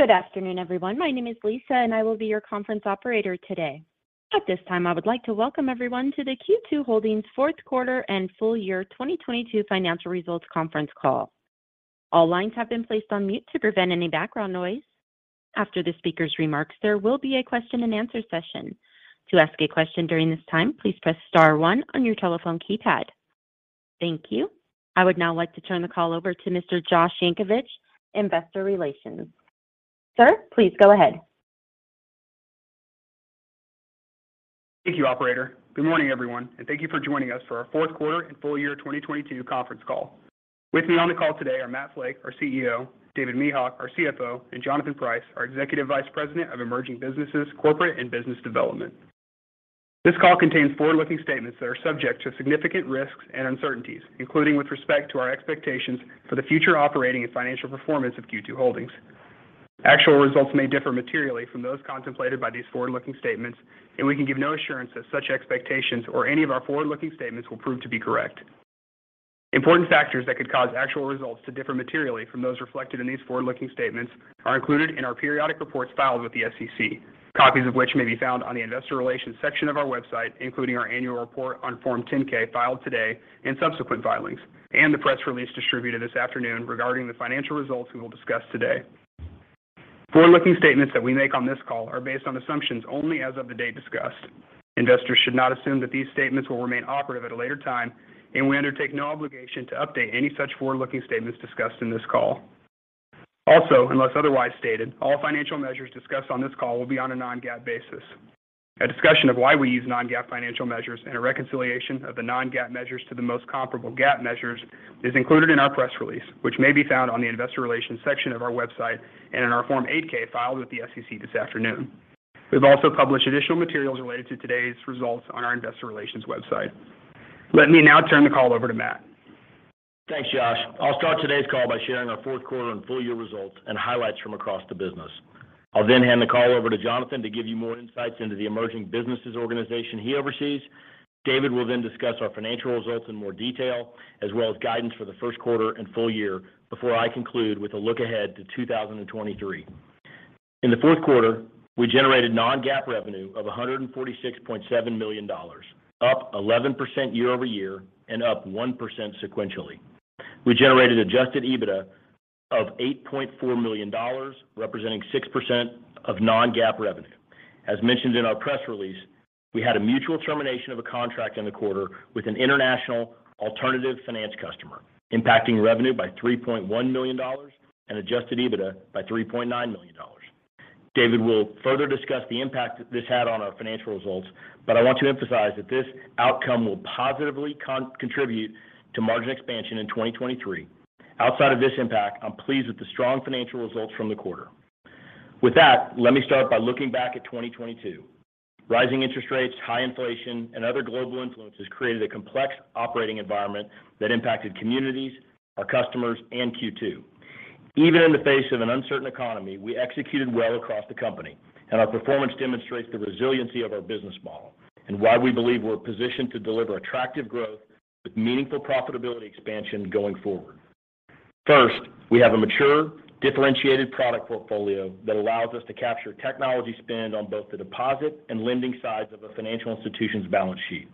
Good afternoon, everyone. My name is Lisa. I will be your conference operator today. At this time, I would like to welcome everyone to the Q2 Holdings Q4 and full year 2022 financial results conference call. All lines have been placed on mute to prevent any background noise. After the speaker's remarks, there will be a question-and-answer session. To ask a question during this time, please press star one on your telephone keypad. Thank you. I would now like to turn the call over to Mr. Josh Yankovich, Investor Relations. Sir, please go ahead. Thank you, operator. Good morning, everyone. Thank you for joining us for our Q4 and full year 2022 conference call. With me on the call today are Matt Flake, our CEO, David Mihok, our CFO, and Jonathan Price, our Executive Vice President of Emerging Businesses, Corporate and Business Development. This call contains forward-looking statements that are subject to significant risks and uncertainties, including with respect to our expectations for the future operating and financial performance of Q2 Holdings. Actual results may differ materially from those contemplated by these forward-looking statements. We can give no assurance that such expectations or any of our forward-looking statements will prove to be correct. Important factors that could cause actual results to differ materially from those reflected in these forward-looking statements are included in our periodic reports filed with the SEC, copies of which may be found on the investor relations section of our website, including our annual report on Form 10-K filed today and subsequent filings, and the press release distributed this afternoon regarding the financial results we will discuss today. Forward-looking statements that we make on this call are based on assumptions only as of the day discussed. Investors should not assume that these statements will remain operative at a later time, and we undertake no obligation to update any such forward-looking statements discussed in this call. Also, unless otherwise stated, all financial measures discussed on this call will be on a non-GAAP basis. A discussion of why we use non-GAAP financial measures and a reconciliation of the non-GAAP measures to the most comparable GAAP measures is included in our press release, which may be found on the Investor Relations section of our website and in our Form 8-K filed with the SEC this afternoon. We've also published additional materials related to today's results on our Investor Relations website. Let me now turn the call over to Matt. Thanks, Josh. I'll start today's call by sharing our Q4 and full year results and highlights from across the business. I'll hand the call over to Jonathan to give you more insights into the emerging businesses organization he oversees. David will then discuss our financial results in more detail, as well as guidance for the Q1 and full year before I conclude with a look ahead to 2023. In the Q4, we generated non-GAAP revenue of $146.7 million, up 11% year-over-year and up 1% sequentially. We generated Adjusted EBITDA of $8.4 million, representing 6% of non-GAAP revenue. As mentioned in our press release, we had a mutual termination of a contract in the quarter with an international alternative finance customer, impacting revenue by $3.1 million and Adjusted EBITDA by $3.9 million. David will further discuss the impact this had on our financial results, I want to emphasize that this outcome will positively contribute to margin expansion in 2023. Outside of this impact, I'm pleased with the strong financial results from the quarter. With that, let me start by looking back at 2022. Rising interest rates, high inflation, and other global influences created a complex operating environment that impacted communities, our customers, and Q2. Even in the face of an uncertain economy, we executed well across the company, and our performance demonstrates the resiliency of our business model and why we believe we're positioned to deliver attractive growth with meaningful profitability expansion going forward. First, we have a mature, differentiated product portfolio that allows us to capture technology spend on both the deposit and lending sides of a financial institution's balance sheet.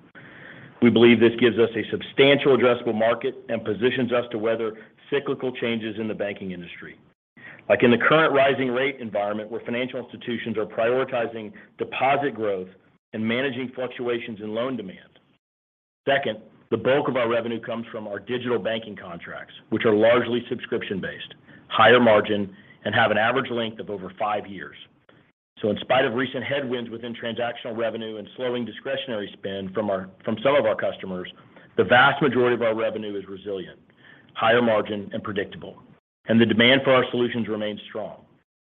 We believe this gives us a substantial addressable market and positions us to weather cyclical changes in the banking industry, like in the current rising rate environment where financial institutions are prioritizing deposit growth and managing fluctuations in loan demand. Second, the bulk of our revenue comes from our digital banking contracts, which are largely subscription-based, higher margin, and have an average length of over five years. In spite of recent headwinds within transactional revenue and slowing discretionary spend from some of our customers, the vast majority of our revenue is resilient, higher margin, and predictable, and the demand for our solutions remains strong.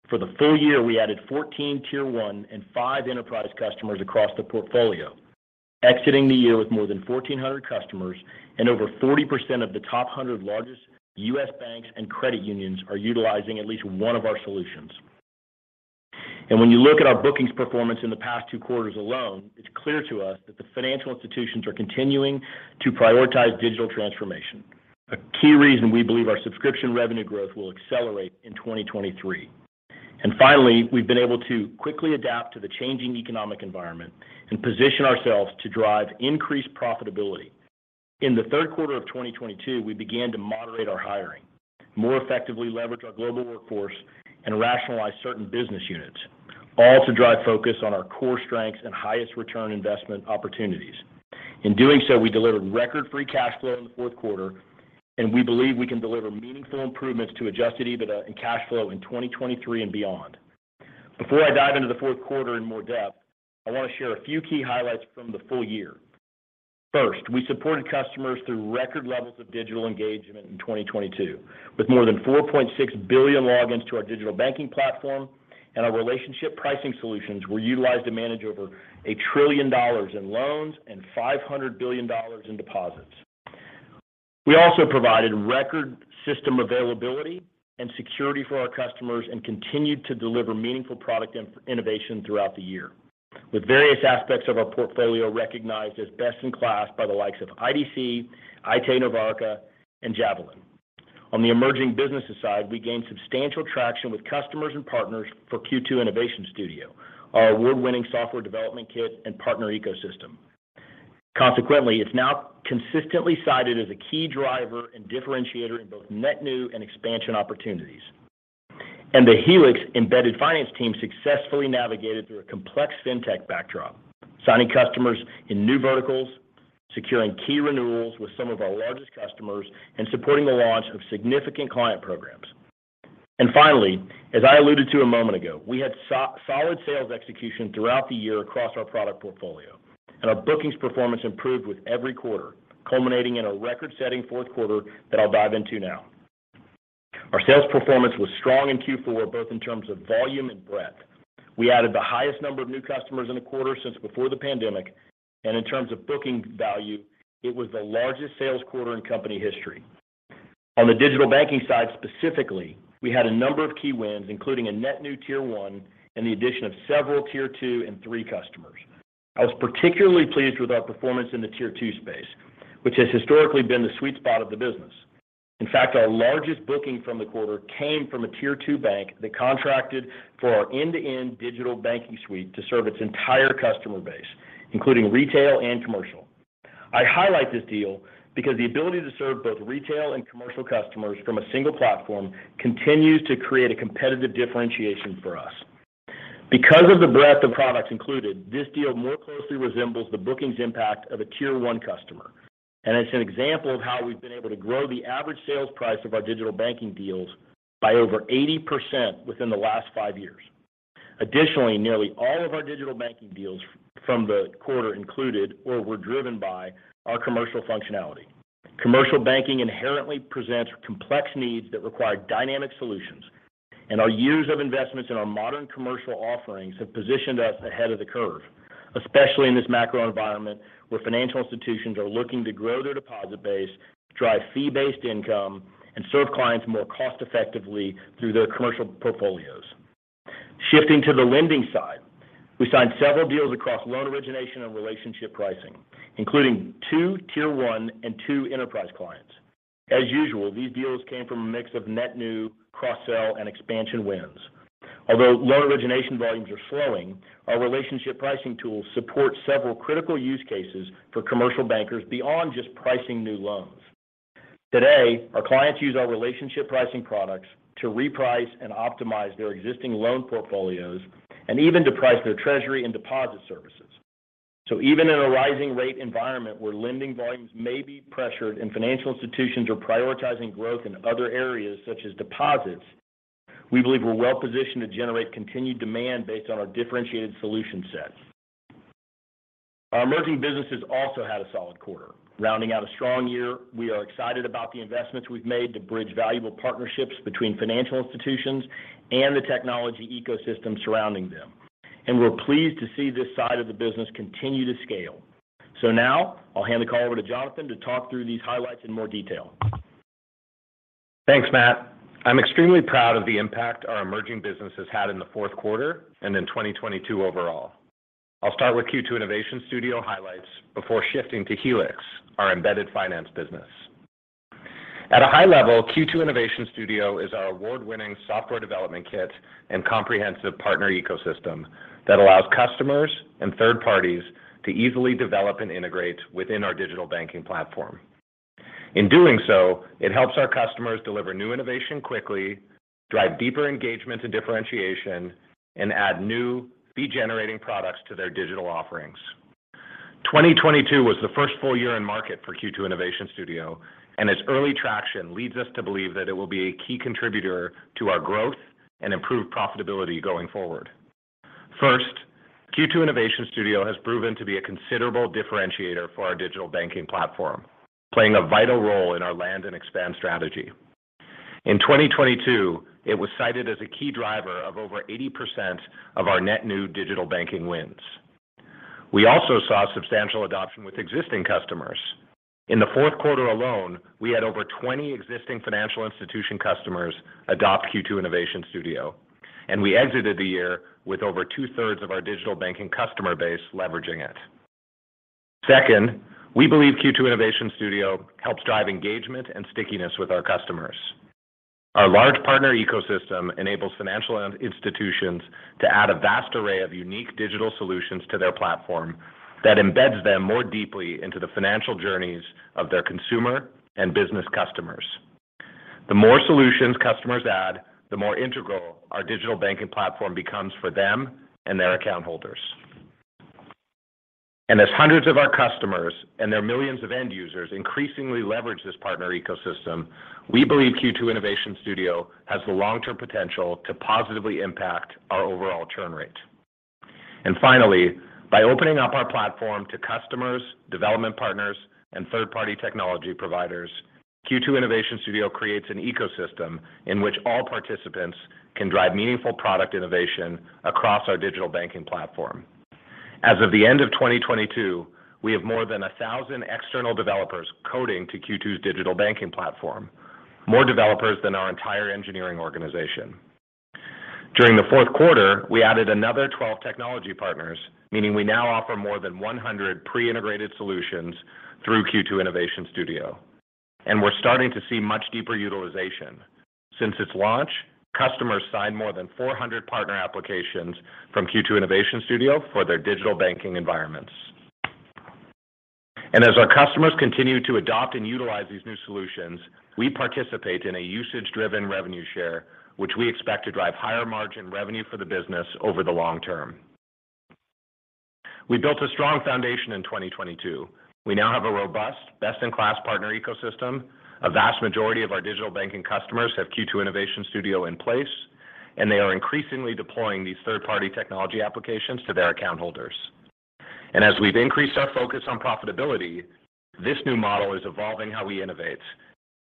For the full year, we added 14 Tier 1 and 5 enterprise customers across the portfolio, exiting the year with more than 1,400 customers and over 40% of the top 100 largest U.S. banks and credit unions are utilizing at least 1 of our solutions. When you look at our bookings performance in the past two quarters alone, it's clear to us that the financial institutions are continuing to prioritize digital transformation, a key reason we believe our subscription revenue growth will accelerate in 2023. Finally, we've been able to quickly adapt to the changing economic environment and position ourselves to drive increased profitability. In the Q3 of 2022, we began to moderate our hiring, more effectively leverage our global workforce, and rationalize certain business units, all to drive focus on our core strengths and highest return investment opportunities. In doing so, we delivered record free cash flow in the 4th quarter. We believe we can deliver meaningful improvements to Adjusted EBITDA and cash flow in 2023 and beyond. Before I dive into the 4th quarter in more depth, I want to share a few key highlights from the full year. First, we supported customers through record levels of digital engagement in 2022, with more than 4.6 billion logins to our digital banking platform, and our relationship pricing solutions were utilized to manage over $1 trillion in loans and $500 billion in deposits. We also provided record system availability and security for our customers and continued to deliver meaningful product innovation throughout the year. With various aspects of our portfolio recognized as best in class by the likes of IDC, Aite-Novarica Group, and Javelin. On the emerging business side, we gained substantial traction with customers and partners for Q2 Innovation Studio, our award-winning software development kit and partner ecosystem. Consequently, it's now consistently cited as a key driver and differentiator in both net new and expansion opportunities. The Helix embedded finance team successfully navigated through a complex fintech backdrop, signing customers in new verticals, securing key renewals with some of our largest customers, and supporting the launch of significant client programs. Finally, as I alluded to a moment ago, we had solid sales execution throughout the year across our product portfolio, and our bookings performance improved with every quarter, culminating in a record-setting Q4 that I'll dive into now. Our sales performance was strong in Q4, both in terms of volume and breadth. We added the highest number of new customers in a quarter since before the pandemic. In terms of booking value, it was the largest sales quarter in company history. On the digital banking side specifically, we had a number of key wins, including a net new Tier 1 and the addition of several Tier 2 and 3 customers. I was particularly pleased with our performance in the Tier 2 space, which has historically been the sweet spot of the business. In fact, our largest booking from the quarter came from a Tier 2 bank that contracted for our end-to-end digital banking suite to serve its entire customer base, including retail and commercial. I highlight this deal because the ability to serve both retail and commercial customers from a single platform continues to create a competitive differentiation for us. Because of the breadth of products included, this deal more closely resembles the bookings impact of a Tier 1 customer, and it's an example of how we've been able to grow the average sales price of our digital banking deals by over 80% within the last five years. Additionally, nearly all of our digital banking deals from the quarter included or were driven by our commercial functionality. Commercial banking inherently presents complex needs that require dynamic solutions, and our years of investments in our modern commercial offerings have positioned us ahead of the curve, especially in this macro environment where financial institutions are looking to grow their deposit base, drive fee-based income, and serve clients more cost-effectively through their commercial portfolios. Shifting to the lending side, we signed several deals across loan origination and relationship pricing, including 2 Tier 1 and 2 enterprise clients. As usual, these deals came from a mix of net new, cross-sell, and expansion wins. Although loan origination volumes are slowing, our relationship pricing tools support several critical use cases for commercial bankers beyond just pricing new loans. Today, our clients use our relationship pricing products to reprice and optimize their existing loan portfolios and even to price their treasury and deposit services. Even in a rising rate environment where lending volumes may be pressured and financial institutions are prioritizing growth in other areas such as deposits, we believe we're well positioned to generate continued demand based on our differentiated solution set. Our emerging businesses also had a solid quarter. Rounding out a strong year, we are excited about the investments we've made to bridge valuable partnerships between financial institutions and the technology ecosystem surrounding them. We're pleased to see this side of the business continue to scale. Now I'll hand the call over to Jonathan to talk through these highlights in more detail. Thanks, Matt. I'm extremely proud of the impact our emerging business has had in the Q4 and in 2022 overall. I'll start with Q2 Innovation Studio highlights before shifting to Helix, our embedded finance business. At a high level, Q2 Innovation Studio is our award-winning software development kit and comprehensive partner ecosystem that allows customers and third parties to easily develop and integrate within our digital banking platform. In doing so, it helps our customers deliver new innovation quickly, drive deeper engagement and differentiation, and add new fee-generating products to their digital offerings. 2022 was the first full year in market for Q2 Innovation Studio, and its early traction leads us to believe that it will be a key contributor to our growth and improved profitability going forward. Q2 Innovation Studio has proven to be a considerable differentiator for our digital banking platform, playing a vital role in our land and expand strategy. In 2022, it was cited as a key driver of over 80% of our net new digital banking wins. We also saw substantial adoption with existing customers. In the Q4 alone, we had over 20 existing financial institution customers adopt Q2 Innovation Studio, and we exited the year with over two-thirds of our digital banking customer base leveraging it. We believe Q2 Innovation Studio helps drive engagement and stickiness with our customers. Our large partner ecosystem enables financial institutions to add a vast array of unique digital solutions to their platform that embeds them more deeply into the financial journeys of their consumer and business customers. The more solutions customers add, the more integral our digital banking platform becomes for them and their account holders. As hundreds of our customers and their millions of end users increasingly leverage this partner ecosystem, we believe Q2 Innovation Studio has the long-term potential to positively impact our overall churn rate. Finally, by opening up our platform to customers, development partners, and third-party technology providers, Q2 Innovation Studio creates an ecosystem in which all participants can drive meaningful product innovation across our digital banking platform. As of the end of 2022, we have more than 1,000 external developers coding to Q2's digital banking platform. More developers than our entire engineering organization. During the Q4, we added another 12 technology partners, meaning we now offer more than 100 pre-integrated solutions through Q2 Innovation Studio. We're starting to see much deeper utilization. Since its launch, customers signed more than 400 partner applications from Q2 Innovation Studio for their digital banking environments. As our customers continue to adopt and utilize these new solutions, we participate in a usage-driven revenue share, which we expect to drive higher-margin revenue for the business over the long term. We built a strong foundation in 2022. We now have a robust, best-in-class partner ecosystem. A vast majority of our digital banking customers have Q2 Innovation Studio in place, and they are increasingly deploying these third-party technology applications to their account holders. As we've increased our focus on profitability, this new model is evolving how we innovate,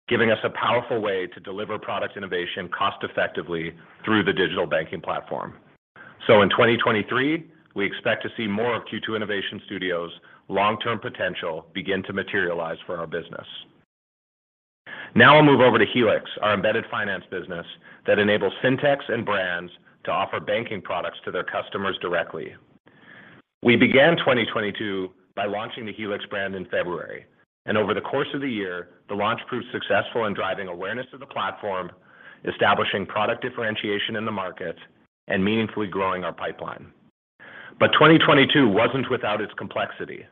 giving us a powerful way to deliver product innovation cost-effectively through the digital banking platform. In 2023, we expect to see more of Q2 Innovation Studio's long-term potential begin to materialize for our business. I'll move over to Helix, our embedded finance business that enables fintechs and brands to offer banking products to their customers directly. We began 2022 by launching the Helix brand in February, over the course of the year, the launch proved successful in driving awareness of the platform, establishing product differentiation in the market, and meaningfully growing our pipeline. 2022 wasn't without its complexity.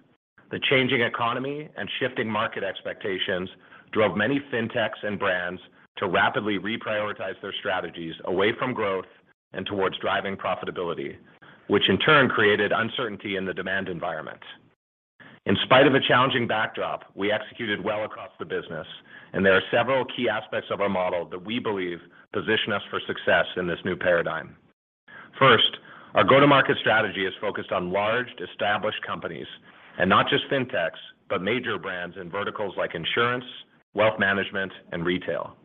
The changing economy and shifting market expectations drove many fintechs and brands to rapidly reprioritize their strategies away from growth and towards driving profitability, which in turn created uncertainty in the demand environment. In spite of a challenging backdrop, we executed well across the business, there are several key aspects of our model that we believe position us for success in this new paradigm. First, our go-to-market strategy is focused on large, established companies, and not just fintechs, but major brands in verticals like insurance, wealth management, and retail.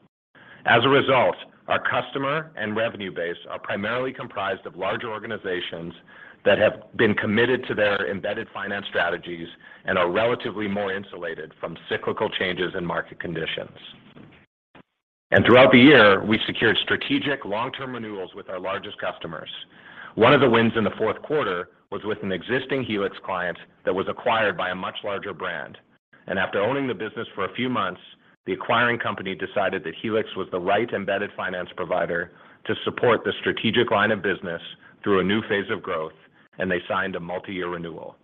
As a result, our customer and revenue base are primarily comprised of larger organizations that have been committed to their embedded finance strategies and are relatively more insulated from cyclical changes in market conditions. Throughout the year, we secured strategic long-term renewals with our largest customers. One of the wins in the Q4 was with an existing Helix client that was acquired by a much larger brand. After owning the business for a few months, the acquiring company decided that Helix was the right embedded finance provider to support the strategic line of business through a new phase of growth, and they signed a multi-year renewal.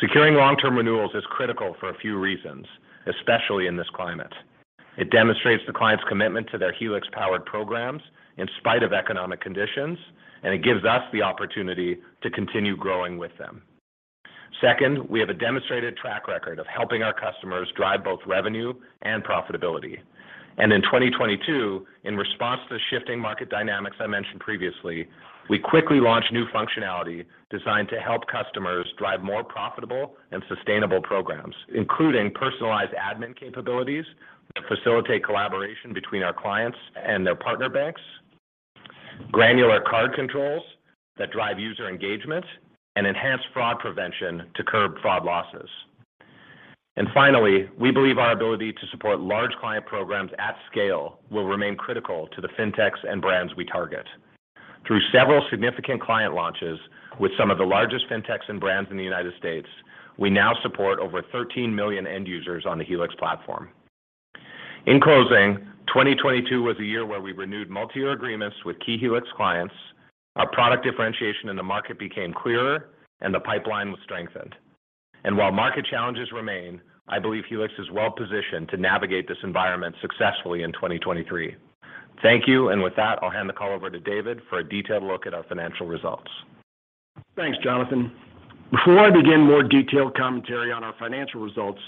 Securing long-term renewals is critical for a few reasons, especially in this climate. It demonstrates the client's commitment to their Helix-powered programs in spite of economic conditions, it gives us the opportunity to continue growing with them. Second, we have a demonstrated track record of helping our customers drive both revenue and profitability. In 2022, in response to the shifting market dynamics I mentioned previously, we quickly launched new functionality designed to help customers drive more profitable and sustainable programs, including personalized admin capabilities that facilitate collaboration between our clients and their partner banks, granular card controls that drive user engagement and enhance fraud prevention to curb fraud losses. Finally, we believe our ability to support large client programs at scale will remain critical to the fintechs and brands we target. Through several significant client launches with some of the largest fintechs and brands in the United States, we now support over 13 million end users on the Helix platform. In closing, 2022 was a year where we renewed multi-year agreements with key Helix clients, our product differentiation in the market became clearer, and the pipeline was strengthened. While market challenges remain, I believe Helix is well-positioned to navigate this environment successfully in 2023. Thank you. With that, I'll hand the call over to David for a detailed look at our financial results. Thanks, Jonathan. Before I begin more detailed commentary on our financial results,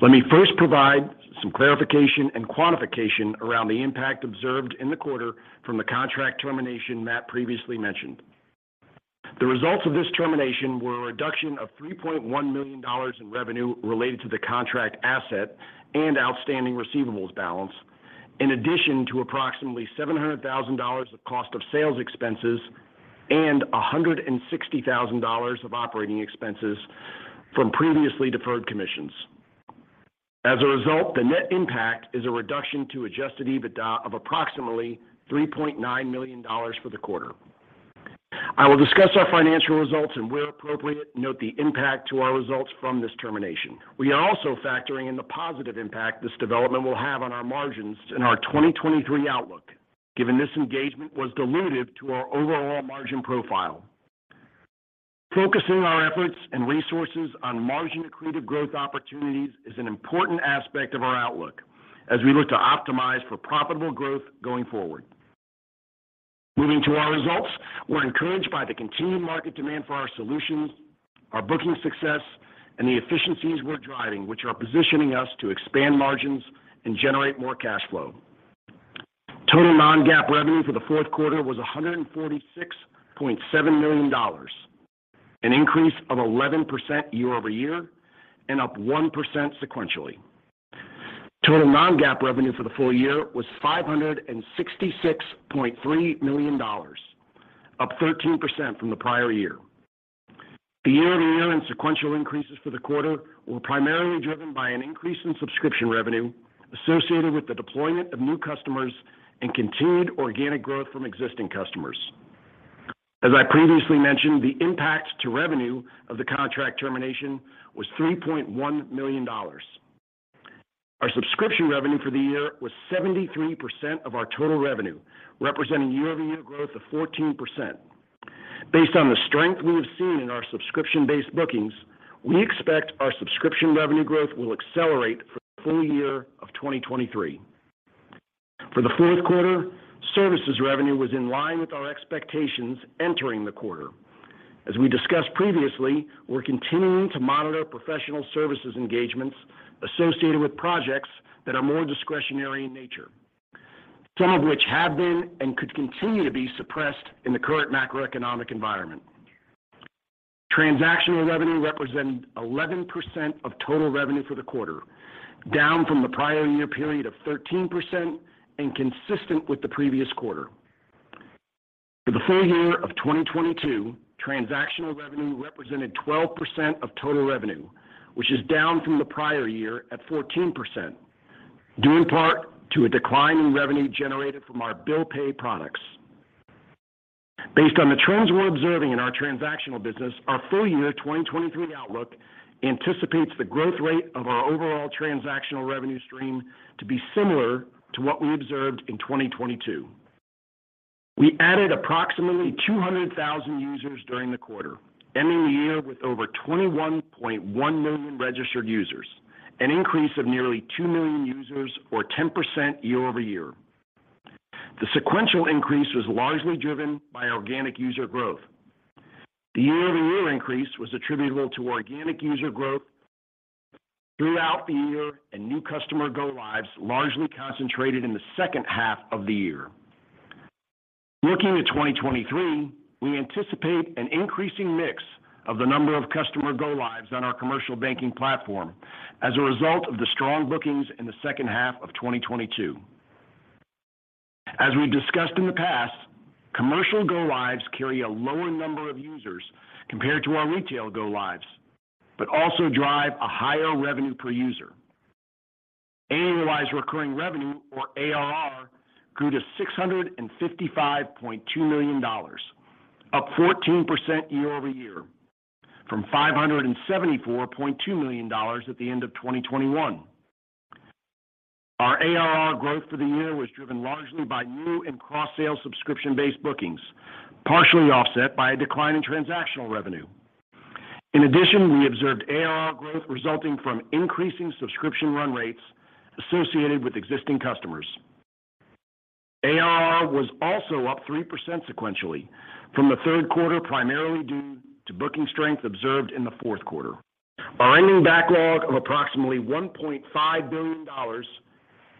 let me first provide some clarification and quantification around the impact observed in the quarter from the contract termination Matt previously mentioned. The results of this termination were a reduction of $3.1 million in revenue related to the contract asset and outstanding receivables balance, in addition to approximately $700,000 of cost of sales expenses and $160,000 of operating expenses from previously deferred commissions. As a result, the net impact is a reduction to Adjusted EBITDA of approximately $3.9 million for the quarter. I will discuss our financial results and where appropriate, note the impact to our results from this termination. We are also factoring in the positive impact this development will have on our margins in our 2023 outlook, given this engagement was dilutive to our overall margin profile. Focusing our efforts and resources on margin-accretive growth opportunities is an important aspect of our outlook as we look to optimize for profitable growth going forward. Moving to our results, we're encouraged by the continued market demand for our solutions, our booking success, and the efficiencies we're driving, which are positioning us to expand margins and generate more cash flow. Total non-GAAP revenue for the Q4 was $146.7 million, an increase of 11% year-over-year and up 1% sequentially. Total non-GAAP revenue for the full year was $566.3 million, up 13% from the prior year. The year-over-year and sequential increases for the quarter were primarily driven by an increase in subscription revenue associated with the deployment of new customers and continued organic growth from existing customers. As I previously mentioned, the impact to revenue of the contract termination was $3.1 million. Our subscription revenue for the year was 73% of our total revenue, representing year-over-year growth of 14%. Based on the strength we have seen in our subscription-based bookings, we expect our subscription revenue growth will accelerate for the full year of 2023. For the Q4, services revenue was in line with our expectations entering the quarter. As we discussed previously, we're continuing to monitor professional services engagements associated with projects that are more discretionary in nature, some of which have been and could continue to be suppressed in the current macroeconomic environment. Transactional revenue represented 11% of total revenue for the quarter, down from the prior year period of 13% and consistent with the previous quarter. For the full year of 2022, transactional revenue represented 12% of total revenue, which is down from the prior year at 14%, due in part to a decline in revenue generated from our bill pay products. Based on the trends we're observing in our transactional business, our full year 2023 outlook anticipates the growth rate of our overall transactional revenue stream to be similar to what we observed in 2022. We added approximately 200,000 users during the quarter, ending the year with over 21.1 million registered users, an increase of nearly 2 million users or 10% year-over-year. The sequential increase was largely driven by organic user growth. The year-over-year increase was attributable to organic user growth throughout the year and new customer go lives largely concentrated in the second half of the year. Looking at 2023, we anticipate an increasing mix of the number of customer go lives on our commercial banking platform as a result of the strong bookings in the second half of 2022. As we've discussed in the past, commercial go lives carry a lower number of users compared to our retail go lives, but also drive a higher revenue per user. Annualized recurring revenue, or ARR, grew to $655.2 million, up 14% year-over-year from $574.2 million at the end of 2021. Our ARR growth for the year was driven largely by new and cross-sale subscription-based bookings, partially offset by a decline in transactional revenue. We observed ARR growth resulting from increasing subscription run rates associated with existing customers. ARR was also up 3% sequentially from the Q3, primarily due to booking strength observed in the Q4. Our ending backlog of approximately $1.5 billion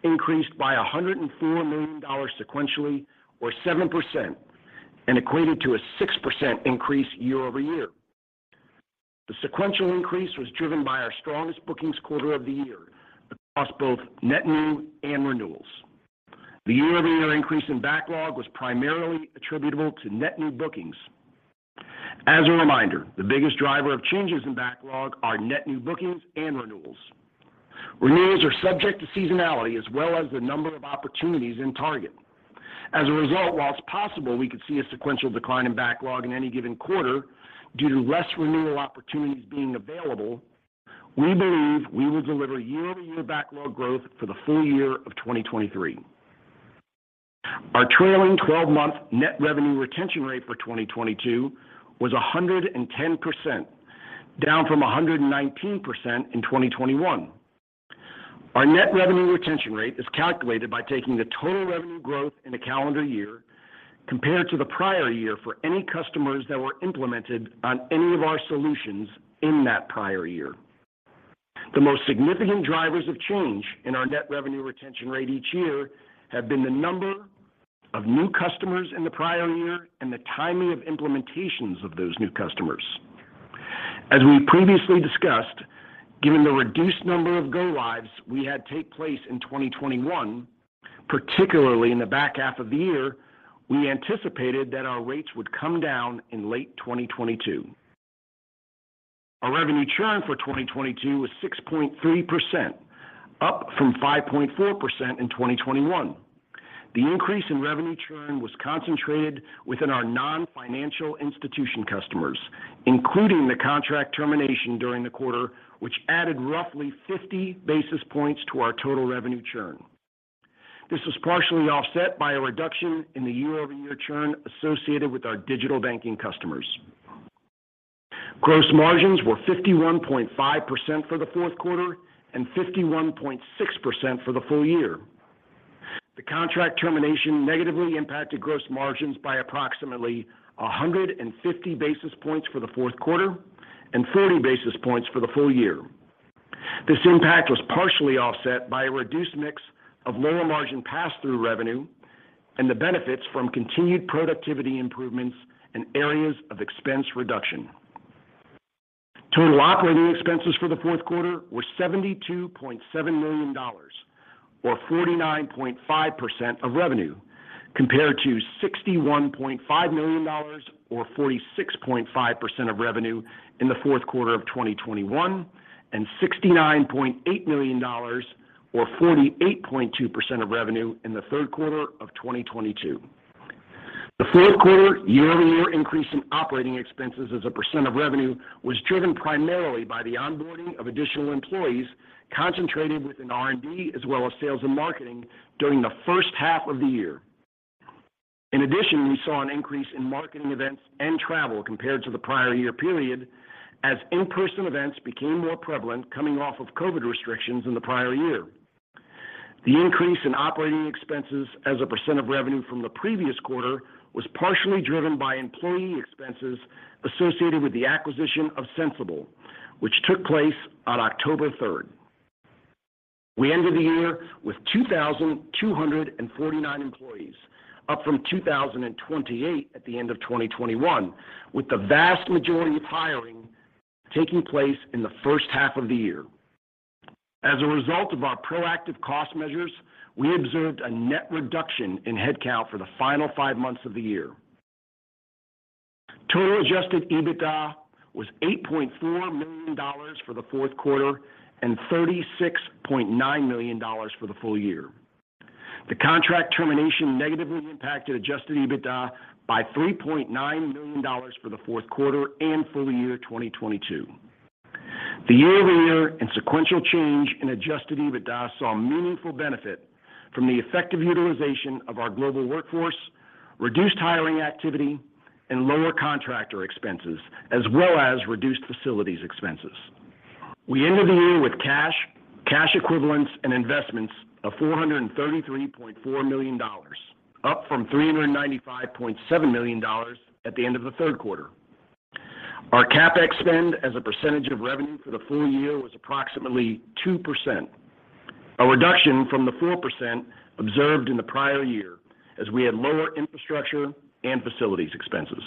increased by $104 million sequentially, or 7%, and equated to a 6% increase year-over-year. The sequential increase was driven by our strongest bookings quarter of the year across both net new and renewals. The year-over-year increase in backlog was primarily attributable to net new bookings. As a reminder, the biggest driver of changes in backlog are net new bookings and renewals. Renewals are subject to seasonality as well as the number of opportunities in target. While it's possible we could see a sequential decline in backlog in any given quarter due to less renewal opportunities being available, we believe we will deliver year-over-year backlog growth for the full year of 2023. Our trailing 12-month Net Revenue Retention rate for 2022 was 110%, down from 119% in 2021. Our Net Revenue Retention rate is calculated by taking the total revenue growth in a calendar year compared to the prior year for any customers that were implemented on any of our solutions in that prior year. The most significant drivers of change in our Net Revenue Retention rate each year have been the number of new customers in the prior year and the timing of implementations of those new customers. As we previously discussed, given the reduced number of go lives we had take place in 2021, particularly in the back half of the year, we anticipated that our rates would come down in late 2022. Our revenue churn for 2022 was 6.3%, up from 5.4% in 2021. The increase in revenue churn was concentrated within our non-financial institution customers, including the contract termination during the quarter, which added roughly 50 basis points to our total revenue churn. This was partially offset by a reduction in the year-over-year churn associated with our digital banking customers. Gross margins were 51.5% for the Q4 and 51.6% for the full year. The contract termination negatively impacted gross margins by approximately 150 basis points for the Q4 and 40 basis points for the full year. This impact was partially offset by a reduced mix of lower margin pass-through revenue and the benefits from continued productivity improvements in areas of expense reduction. Total operating expenses for the Q4 were $72.7 million, or 49.5% of revenue, compared to $61.5 million or 46.5% of revenue in the Q4 of 2021 and $69.8 million or 48.2% of revenue in the Q3 of 2022. The Q4 year-over-year increase in operating expenses as a % of revenue was driven primarily by the onboarding of additional employees concentrated within R&D as well as sales and marketing during the first half of the year. We saw an increase in marketing events and travel compared to the prior year period, as in-person events became more prevalent coming off of COVID restrictions in the prior year. The increase in operating expenses as a % of revenue from the previous quarter was partially driven by employee expenses associated with the acquisition of Sensibill, which took place on October third. We ended the year with 2,249 employees, up from 2,028 at the end of 2021, with the vast majority of hiring taking place in the first half of the year. As a result of our proactive cost measures, we observed a net reduction in headcount for the final five months of the year. Total Adjusted EBITDA was $8.4 million for the Q4 and $36.9 million for the full year. The contract termination negatively impacted Adjusted EBITDA by $3.9 million for the Q4 and full year 2022. The year-over-year and sequential change in Adjusted EBITDA saw meaningful benefit from the effective utilization of our global workforce, reduced hiring activity, and lower contractor expenses, as well as reduced facilities expenses. We ended the year with cash equivalents and investments of $433.4 million, up from $395.7 million at the end of the Q3. Our CapEx spend as a percentage of revenue for the full year was approximately 2%, a reduction from the 4% observed in the prior year as we had lower infrastructure and facilities expenses.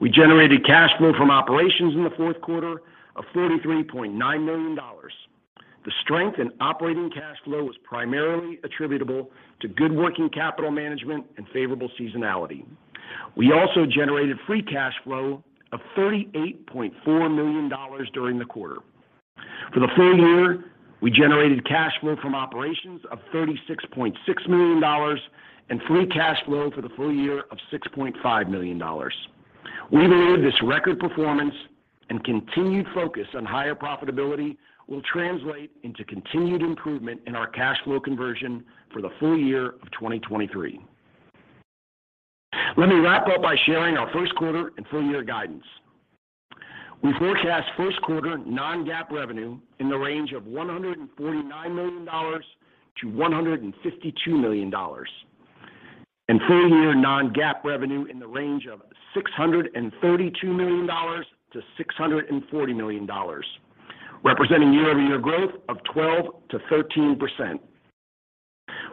We generated cash flow from operations in the Q4 of $43.9 million. The strength in operating cash flow was primarily attributable to good working capital management and favorable seasonality. We also generated free cash flow of $38.4 million during the quarter. For the full year, we generated cash flow from operations of $36.6 million and free cash flow for the full year of $6.5 million. We believe this record performance and continued focus on higher profitability will translate into continued improvement in our cash flow conversion for the full year of 2023. Let me wrap up by sharing our Q1 and full year guidance. We forecast Q1 non-GAAP revenue in the range of $149 to 152 million and full year non-GAAP revenue in the range of $632 to 640 million, representing year-over-year growth of 12% to 13%.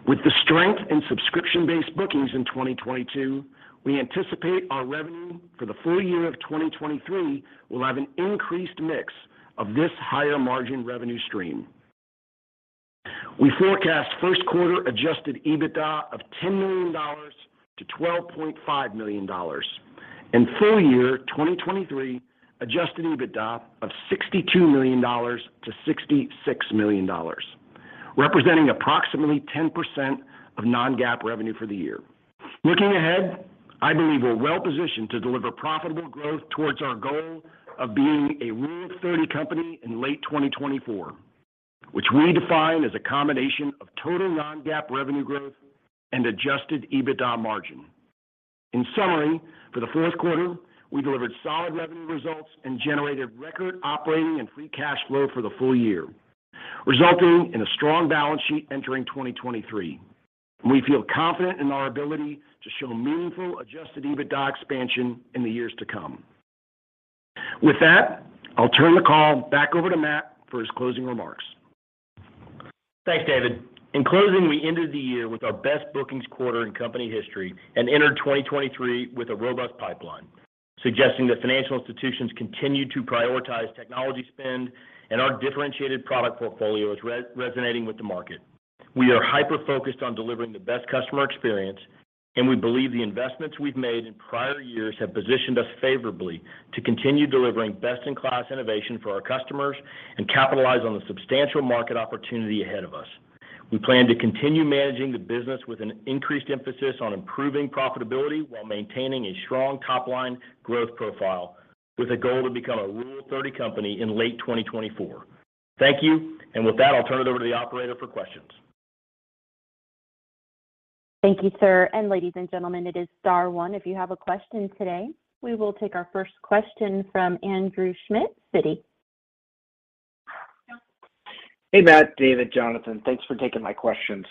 With the strength in subscription-based bookings in 2022, we anticipate our revenue for the full year of 2023 will have an increased mix of this higher margin revenue stream. We forecast Q1 Adjusted EBITDA of $10 million-$12.5 million and full year 2023 Adjusted EBITDA of $62 to 66 million, representing approximately 10% of non-GAAP revenue for the year. Looking ahead, I believe we're well positioned to deliver profitable growth towards our goal of being a Rule of 30 company in late 2024, which we define as a combination of total non-GAAP revenue growth and Adjusted EBITDA margin. In summary, for the Q4, we delivered solid revenue results and generated record operating and free cash flow for the full year, resulting in a strong balance sheet entering 2023. We feel confident in our ability to show meaningful Adjusted EBITDA expansion in the years to come. With that, I'll turn the call back over to Matt for his closing remarks. Thanks, David. In closing, we ended the year with our best bookings quarter in company history and entered 2023 with a robust pipeline, suggesting that financial institutions continue to prioritize technology spend and our differentiated product portfolio is resonating with the market. We are hyper-focused on delivering the best customer experience, and we believe the investments we've made in prior years have positioned us favorably to continue delivering best-in-class innovation for our customers and capitalize on the substantial market opportunity ahead of us. We plan to continue managing the business with an increased emphasis on improving profitability while maintaining a strong top-line growth profile with a goal to become a Rule of 30 company in late 2024. Thank you. With that, I'll turn it over to the operator for questions. Thank you, sir. Ladies and gentlemen, it is star one if you have a question today. We will take our first question from Andrew Schmidt, Citi. Hey, Matt, David, Jonathan. Thanks for taking my questions.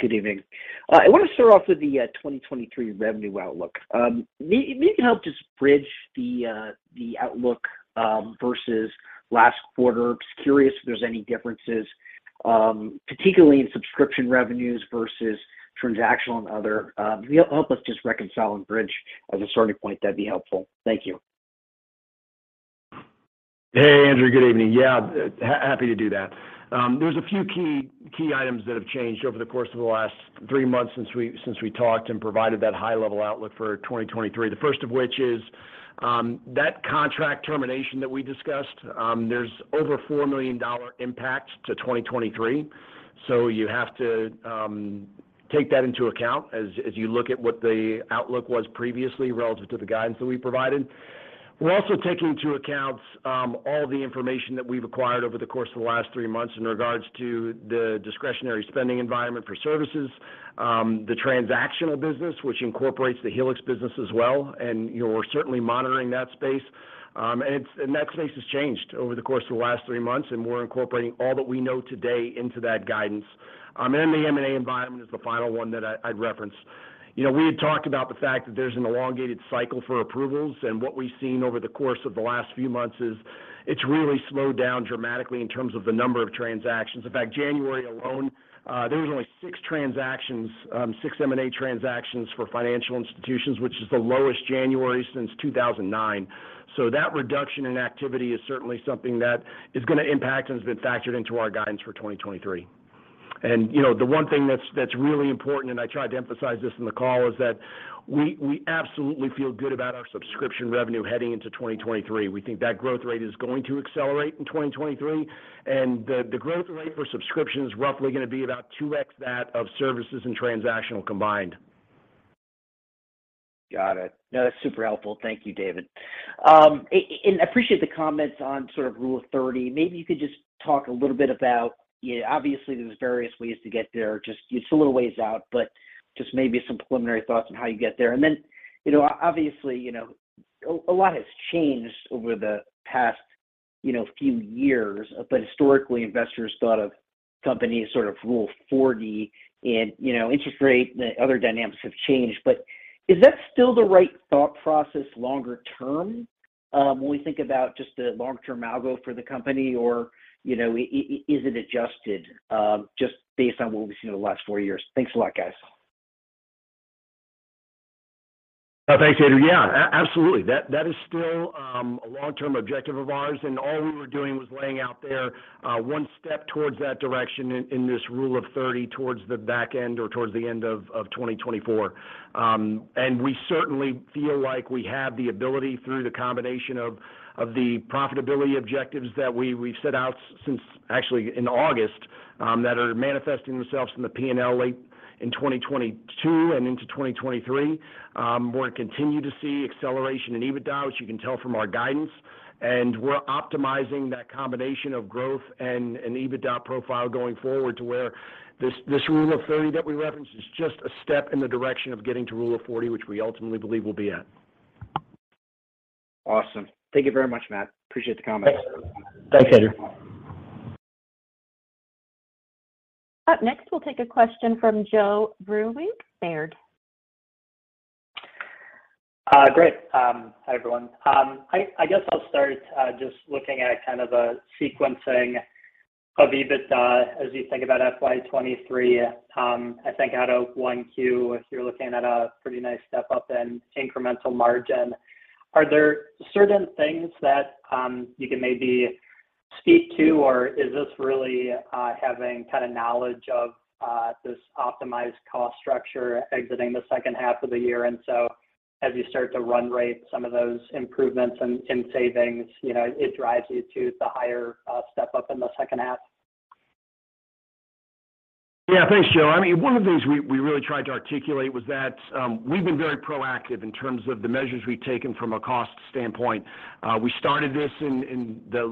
Good evening. I want to start off with the 2023 revenue outlook. May you help just bridge the outlook versus last quarter? Just curious if there's any differences, particularly in subscription revenues versus transactional and other. Will you help us just reconcile and bridge as a starting point? That'd be helpful. Thank you. Hey, Andrew. Good evening. Yeah, happy to do that. There's a few key items that have changed over the course of the last 3 months since we talked and provided that high-level outlook for 2023. The first of which is that contract termination that we discussed, there's over a $4 million impact to 2023. You have to take that into account as you look at what the outlook was previously relative to the guidance that we provided. We're also taking into account all the information that we've acquired over the course of the last three months in regards to the discretionary spending environment for services, the transactional business which incorporates the Helix business as well, we're certainly monitoring that space. That space has changed over the course of the last three months, and we're incorporating all that we know today into that guidance. And the M&A environment is the final one that I'd reference. we had talked about the fact that there's an elongated cycle for approvals. What we've seen over the course of the last few months is it's really slowed down dramatically in terms of the number of transactions. In fact, January alone, there was only 6 transactions, 6 M&A transactions for financial institutions, which is the lowest January since 2009. That reduction in activity is certainly something that is going to impact and has been factored into our guidance for 2023. The one thing that's really important, and I tried to emphasize this in the call, is that we absolutely feel good about our subscription revenue heading into 2023. We think that growth rate is going to accelerate in 2023. The growth rate for subscription is roughly going to be about 2x that of services and transactional combined. Got it. No, that's super helpful. Thank you, David. Appreciate the comments on sort of Rule of 30. Maybe you could just talk a little bit about obviously, there's various ways to get there. Just it's a little ways out, but just maybe some preliminary thoughts on how you get there. Obviously a lot has changed over the past, few years. Historically, investors thought of companies sort of Rule of 40 and interest rate and other dynamics have changed. Is that still the right thought process longer term, when we think about just the long-term algo for the company? Or, is it adjusted, just based on what we've seen in the last 4 years? Thanks a lot, guys. Thanks, Andrew. Yeah. Absolutely. That is still a long-term objective of ours, and all we were doing was laying out there one step towards that direction in this Rule of 30 towards the back end or towards the end of 2024. We certainly feel like we have the ability through the combination of the profitability objectives that we've set out since, actually in August, that are manifesting themselves in the P&L late in 2022 and into 2023. We're continuing to see acceleration in EBITDA, which you can tell from our guidance, and we're optimizing that combination of growth and EBITDA profile going forward to where this Rule of 30 that we referenced is just a step in the direction of getting to Rule of 40, which we ultimately believe we'll be at. Awesome. Thank you very much, Matt. Appreciate the comments. Thanks, Andrew. Up next, we'll take a question from Joe Vruwink, Baird. Great. Hi, everyone. I guess I'll start, just looking at kind of a sequencing of EBITDA as you think about FY23. I think out of 1Q, you're looking at a pretty nice step-up in incremental margin. Are there certain things that you can maybe speak to, or is this really having kind of knowledge of this optimized cost structure exiting the second half of the year, and so as you start to run rate some of those improvements and savings, it drives you to the higher step-up in the second half? Thanks, Joe. I mean, one of the things we really tried to articulate was that we've been very proactive in terms of the measures we've taken from a cost standpoint. We started this in the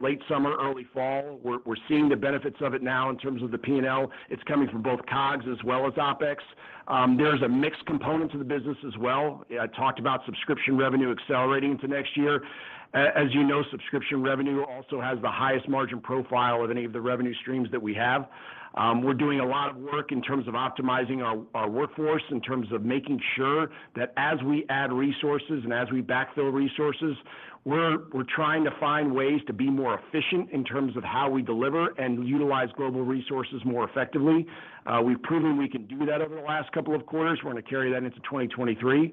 late summer, early fall. We're seeing the benefits of it now in terms of the P&L. It's coming from both COGS as well as OpEx. There's a mixed component to the business as well. I talked about subscription revenue accelerating into next year. As subscription revenue also has the highest margin profile of any of the revenue streams that we have. We're doing a lot of work in terms of optimizing our workforce, in terms of making sure that as we add resources and as we backfill resources, we're trying to find ways to be more efficient in terms of how we deliver and utilize global resources more effectively. We've proven we can do that over the last couple of quarters. We're going to carry that into 2023.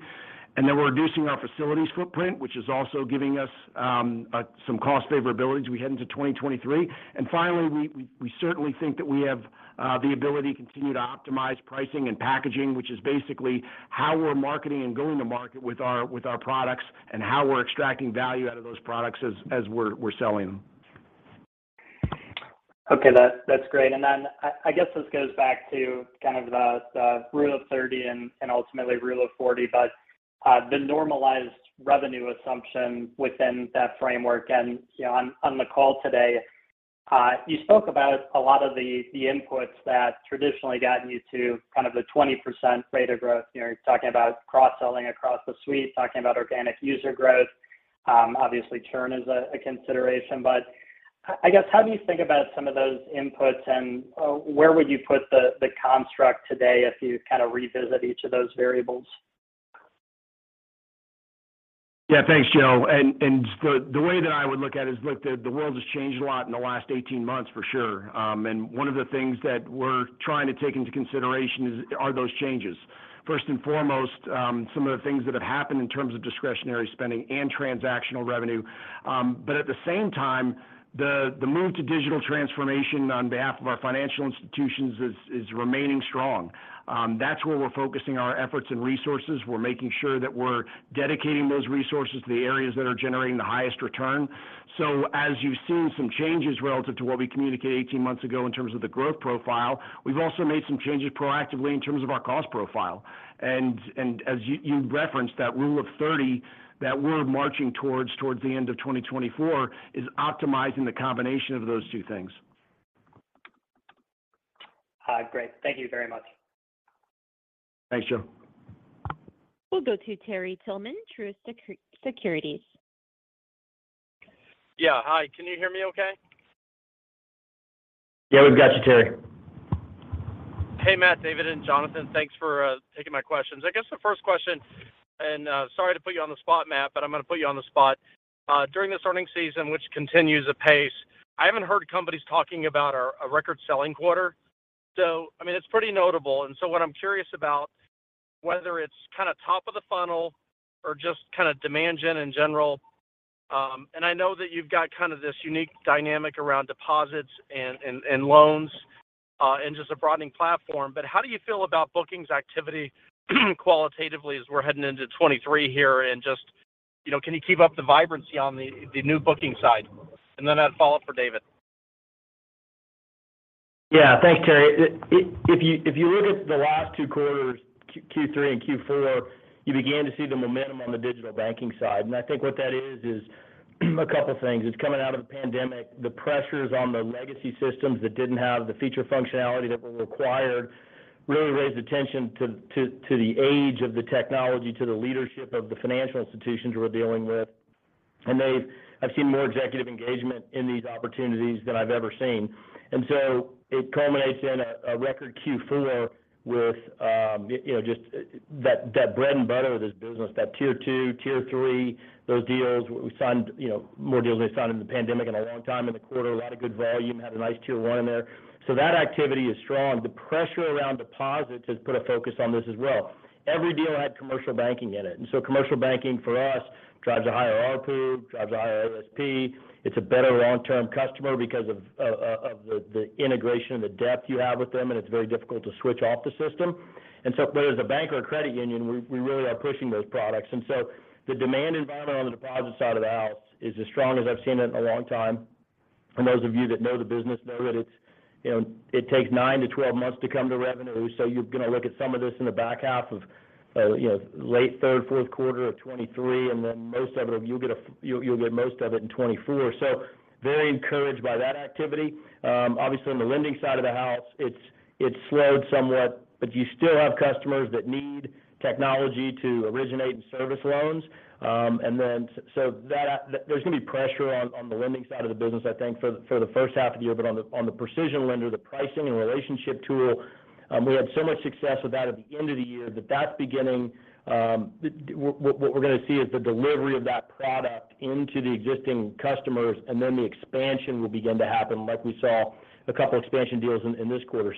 We're reducing our facilities footprint, which is also giving us some cost favorability as we head into 2023. Finally, we certainly think that we have the ability to continue to optimize pricing and packaging, which is basically how we're marketing and going to market with our products and how we're extracting value out of those products as we're selling them. Okay. That's great. I guess this goes back to kind of the Rule of 30 and ultimately Rule of 40, the normalized revenue assumption within that framework. On the call today, you spoke about a lot of the inputs that traditionally gotten you to kind of the 20% rate of growth. you're talking about cross-selling across the suite, talking about organic user growth. Obviously, churn is a consideration. I guess how do you think about some of those inputs, and where would you put the construct today if you kind of revisit each of those variables? Yeah. Thanks, Joe. The way that I would look at it is, look, the world has changed a lot in the last 18 months for sure. One of the things that we're trying to take into consideration is are those changes. First and foremost, some of the things that have happened in terms of discretionary spending and transactional revenue. At the same time, the move to digital transformation on behalf of our financial institutions is remaining strong. That's where we're focusing our efforts and resources. We're making sure that we're dedicating those resources to the areas that are generating the highest return. As you've seen some changes relative to what we communicated 18 months ago in terms of the growth profile, we've also made some changes proactively in terms of our cost profile. As you referenced that Rule of 30 that we're marching towards the end of 2024 is optimizing the combination of those two things. Great, thank you very much. Thanks, Joe. We'll go to Terry Tillman, Truist Securities. Yeah. Hi. Can you hear me okay? Yeah. We've got you, Terry. Hey, Matt, David, and Jonathan. Thanks for taking my questions. I guess the first question, sorry to put you on the spot, Matt, but I'm going to put you on the spot. During this earning season, which continues apace, I haven't heard companies talking about a record selling quarter. I mean, it's pretty notable. What I'm curious about whether it's kind of top of the funnel or just kind of demand gen in general. I know that you've got kind of this unique dynamic around deposits and loans, and just a broadening platform, but how do you feel about bookings activity qualitatively as we're heading into 2023 here? Just can you keep up the vibrancy on the new booking side? Then I'd follow up for David. Yeah. Thanks, Terry. If you look at the last 2 quarters, Q3 and Q4, you began to see the momentum on the digital banking side. I think what that is a couple of things. It's coming out of the pandemic, the pressures on the legacy systems that didn't have the feature functionality that were required really raised attention to the age of the technology, to the leadership of the financial institutions we're dealing with. I've seen more executive engagement in these opportunities than I've ever seen. It culminates in a record Q4 with just that bread and butter of this business, that tier two, tier three, those deals we signed, more deals than we signed in the pandemic in a long time in the quarter, a lot of good volume, had a nice tier one in there. That activity is strong. The pressure around deposits has put a focus on this as well. Every deal had commercial banking in it. Commercial banking for us drives a higher ARPU, drives a higher ASP. It's a better long-term customer because of the integration, the depth you have with them, and it's very difficult to switch off the system. Whether it's a bank or a credit union, we really are pushing those products. The demand environment on the deposit side of the house is as strong as I've seen it in a long time. For those of you that know the business know that it's, it takes 9 to 12 months to come to revenue. You're going to look at some of this in the back half of late third, Q4 of 2023, and then most of it, you'll get most of it in 2024. Very encouraged by that activity. Obviously on the lending side of the house, it's slowed somewhat, but you still have customers that need technology to originate and service loans. There's going to be pressure on the lending side of the business, I think for the first half of the year. On the, on the Precision Lender, the pricing and relationship tool, we had so much success with that at the end of the year that that's beginning, what we're going to see is the delivery of that product into the existing customers, and then the expansion will begin to happen like we saw a couple expansion deals in this quarter.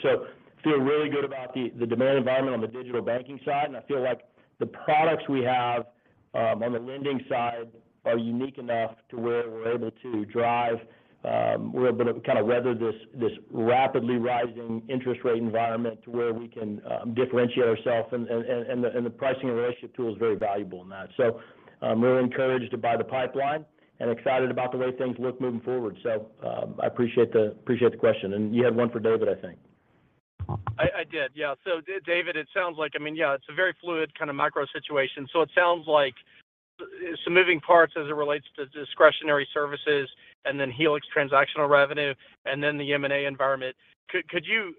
Feel really good about the demand environment on the digital banking side. I feel like the products we have on the lending side are unique enough to where we're able to drive, we're able to kind of weather this rapidly rising interest rate environment to where we can differentiate ourselves and the pricing and relationship tool is very valuable in that. Really encouraged by the pipeline and excited about the way things look moving forward. I appreciate the question. You had one for David, I think. I did, yeah. David, it sounds like, I mean, yeah, it's a very fluid kind of micro situation. It sounds like some moving parts as it relates to discretionary services and then Helix transactional revenue and then the M&A environment. Could you.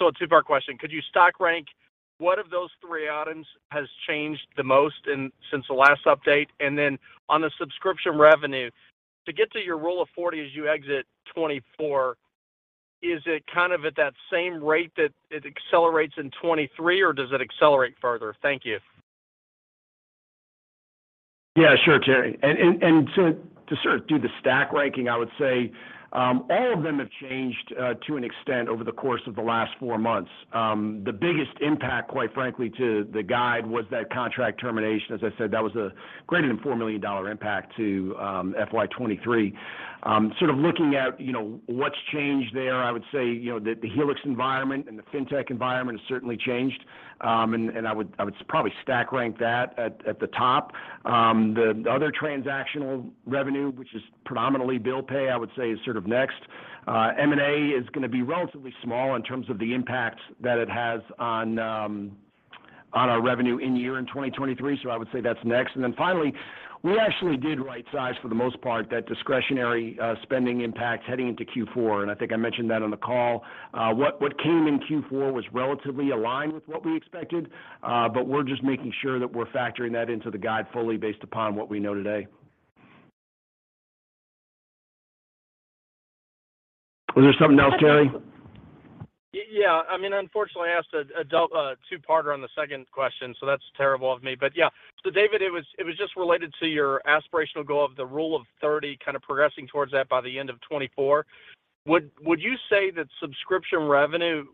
A two-part question. Could you stock rank what of those three items has changed the most since the last update? On the subscription revenue, to get to your Rule of 40 as you exit 2024, is it kind of at that same rate that it accelerates in 2023, or does it accelerate further? Thank you. Yeah, sure, Terry. To sort of do the stack ranking, I would say, all of them have changed to an extent over the course of the last four months. The biggest impact, quite frankly, to the guide was that contract termination. As I said, that was a greater than $4 million impact to FY23. Sort of looking at, what's changed there, I would say, the Helix environment and the fintech environment has certainly changed. I would probably stack rank that at the top. The other transactional revenue, which is predominantly bill pay, I would say is sort of next. M&A is going to be relatively small in terms of the impact that it has on our revenue in year in 2023, so I would say that's next. Finally, we actually did rightsize, for the most part, that discretionary spending impact heading into Q4, and I think I mentioned that on the call. What came in Q4 was relatively aligned with what we expected, but we're just making sure that we're factoring that into the guide fully based upon what we know today. Was there something else, Terry? Yeah. I mean, unfortunately, I asked a two-parter on the second question, that's terrible of me. Yeah. David, it was just related to your aspirational goal of the Rule of 30 kind of progressing towards that by the end of 2024. Would you say that subscription revenue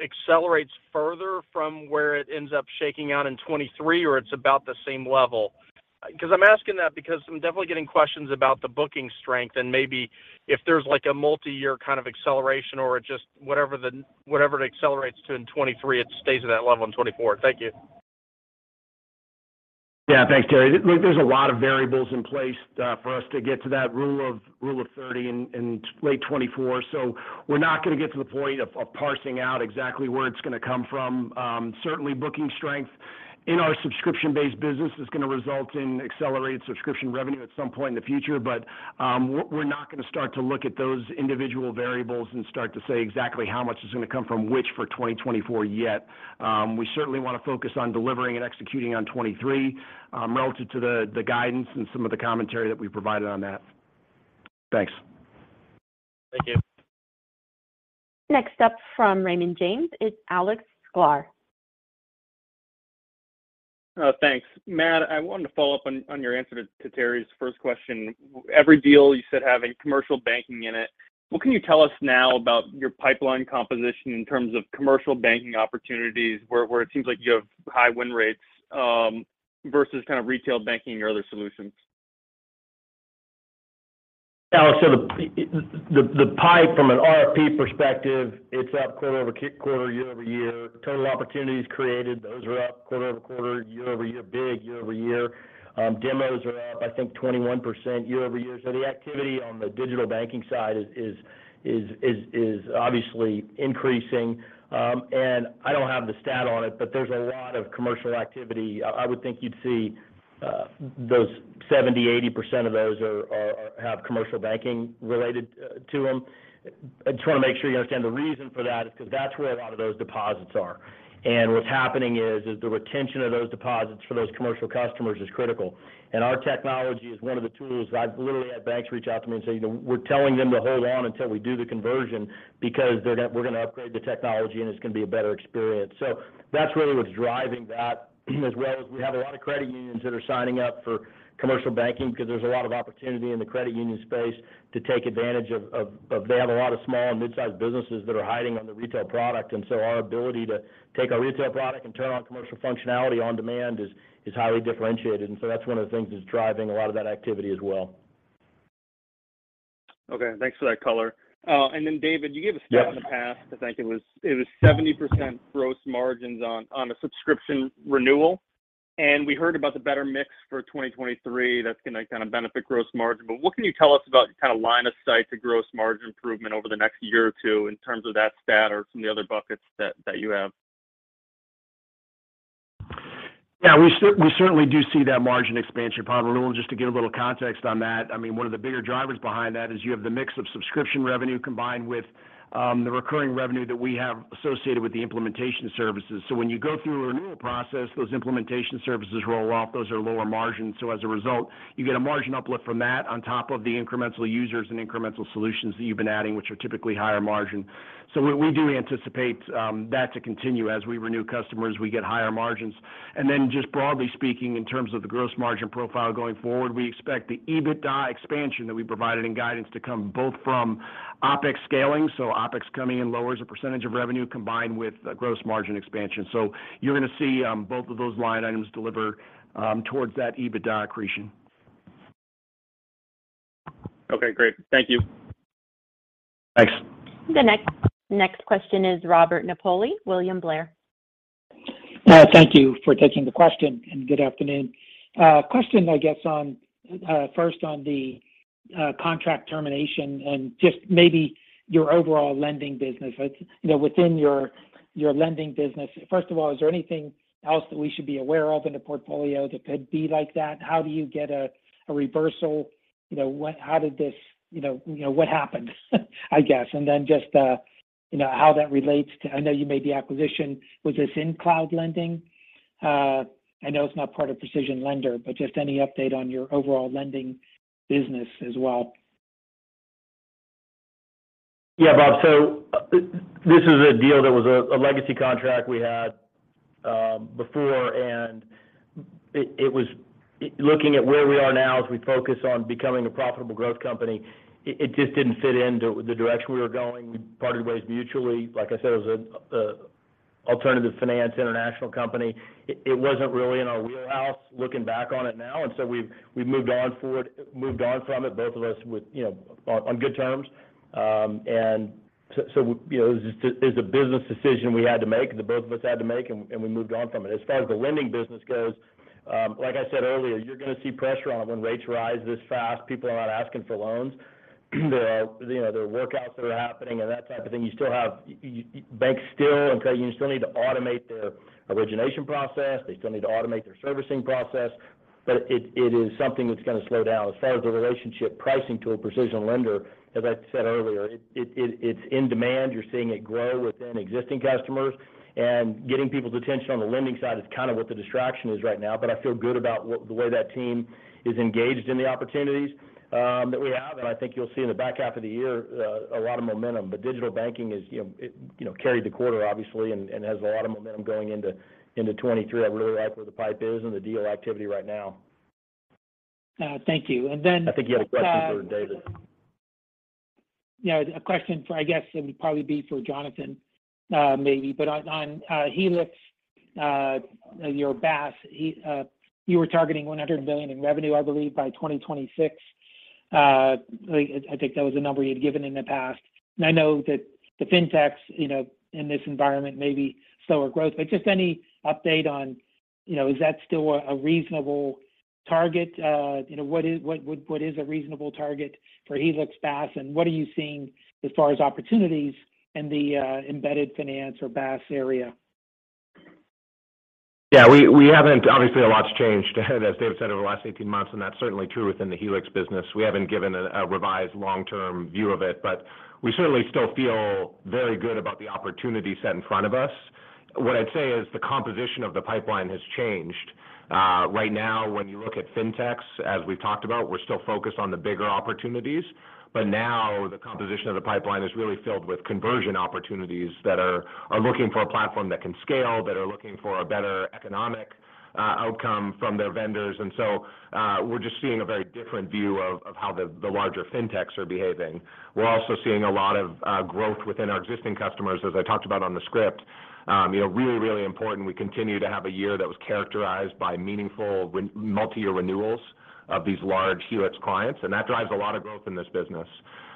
accelerates further from where it ends up shaking out in 2023, or it's about the same level? I'm asking that because I'm definitely getting questions about the booking strength and maybe if there's like a multi-year kind of acceleration or just whatever it accelerates to in 2023, it stays at that level in 2024. Thank you. Yeah. Thanks, Terry. There's a lot of variables in place for us to get to that Rule of 30 in late 2024, so we're not going to get to the point of parsing out exactly where it's going to come from. Certainly booking strength in our subscription-based business is going to result in accelerated subscription revenue at some point in the future. We're not going to start to look at those individual variables and start to say exactly how much is going to come from which for 2024 yet. We certainly want to focus on delivering and executing on 2023 relative to the guidance and some of the commentary that we provided on that. Thanks. Thank you. Next up from Raymond James, it's Alex Sklar. Thanks. Matt, I wanted to follow up on your answer to Terry's first question. Every deal you said having commercial banking in it, what can you tell us now about your pipeline composition in terms of commercial banking opportunities where it seems like you have high win rates versus kind of retail banking or other solutions? Alex, the pipe from an RFP perspective, it's up quarter-over-quarter, year-over-year. Total opportunities created, those are up quarter-over-quarter, year-over-year, big year-over-year. Demos are up, I think 21% year-over-year. The activity on the digital banking side is obviously increasing. I don't have the stat on it, but there's a lot of commercial activity. I would think you'd see those 70%, 80% of those are have commercial banking related to them. I just want to make sure you understand the reason for that is because that's where a lot of those deposits are. What's happening is the retention of those deposits for those commercial customers is critical. Our technology is one of the tools. I've literally had banks reach out to me and say, " we're telling them to hold on until we do the conversion because we're going to upgrade the technology, and it's going to be a better experience." That's really what's driving that, as well as we have a lot of credit unions that are signing up for commercial banking because there's a lot of opportunity in the credit union space to take advantage of. They have a lot of small and mid-sized businesses that are hiding on the retail product, and our ability to take our retail product and turn on commercial functionality on demand is highly differentiated. That's one of the things that's driving a lot of that activity as well. Okay. Thanks for that color. David, you gave a stat in the past. Yeah. I think it was 70% gross margins on a subscription renewal. We heard about the better mix for 2023 that's going to kind of benefit gross margin. What can you tell us about kind of line of sight to gross margin improvement over the next year or two in terms of that stat or some of the other buckets that you have? We certainly do see that margin expansion, Paul. Just to give a little context on that, I mean, one of the bigger drivers behind that is you have the mix of subscription revenue combined with the recurring revenue that we have associated with the implementation services. When you go through a renewal process, those implementation services roll off. Those are lower margin, as a result, you get a margin uplift from that on top of the incremental users and incremental solutions that you've been adding, which are typically higher margin. We do anticipate that to continue. As we renew customers, we get higher margins. Just broadly speaking, in terms of the gross margin profile going forward, we expect the EBITDA expansion that we provided in guidance to come both from OpEx scaling, so OpEx coming in lowers the percentage of revenue combined with the gross margin expansion. You're going to see both of those line items deliver towards that EBITDA accretion. Okay, great. Thank you. Thanks. The next question is Robert Napoli, William Blair. Thank you for taking the question, and good afternoon. Question, I guess, on, first on the contract termination and just maybe your overall lending business. It's, within your lending business. First of all, is there anything else that we should be aware of in the portfolio that could be like that? How do you get a reversal? How did this, what happened, I guess? Then just, how that relates to. I know you made the acquisition. Was this in Cloud Lending? I know it's not part of PrecisionLender, but just any update on your overall lending business as well. Yeah, Bob. This is a deal that was a legacy contract we had before, and it was looking at where we are now as we focus on becoming a profitable growth company, it just didn't fit into the direction we were going. We parted ways mutually. Like I said, it was a alternative finance international company. It wasn't really in our wheelhouse, looking back on it now. We've moved on from it, both of us with, on good terms. So, this is a business decision we had to make, the both of us had to make, and we moved on from it. As far as the lending business goes, like I said earlier, you're going to see pressure on when rates rise this fast. People are not asking for loans. There are, workouts that are happening and that type of thing. Banks still, okay, you still need to automate their origination process. They still need to automate their servicing process. It, it is something that's going to slow down. As far as the relationship pricing to a PrecisionLender, as I said earlier, it, it's in demand. You're seeing it grow within existing customers. Getting people's attention on the lending side is kind of what the distraction is right now. I feel good about the way that team is engaged in the opportunities that we have. I think you'll see in the back half of the year a lot of momentum. digital banking is, carried the quarter obviously and has a lot of momentum going into 2023. I really like where the pipe is and the deal activity right now. Thank you. I think you had a question for David. a question for, I guess it would probably be for Jonathan, maybe. On Helix, your BaaS, you were targeting $100 billion in revenue, I believe, by 2026. Like, I think that was the number you'd given in the past. I know that the Fintechs, in this environment may be slower growth, but just any update on, is that still a reasonable target? what is a reasonable target for Helix BaaS? What are you seeing as far as opportunities in the embedded finance or BaaS area? Obviously, a lot's changed, as David said, over the last 18 months, and that's certainly true within the Helix business. We haven't given a revised long-term view of it, but we certainly still feel very good about the opportunity set in front of us. What I'd say is the composition of the pipeline has changed. Right now, when you look at Fintechs, as we've talked about, we're still focused on the bigger opportunities. Now the composition of the pipeline is really filled with conversion opportunities that are looking for a platform that can scale, that are looking for a better economic outcome from their vendors. We're just seeing a very different view of how the larger Fintechs are behaving. We're also seeing a lot of growth within our existing customers, as I talked about on the script. Really important, we continue to have a year that was characterized by meaningful multi-year renewals of these large Helix clients, and that drives a lot of growth in this business.